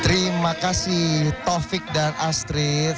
terima kasih taufik dan astrid